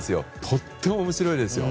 とっても面白いですよ。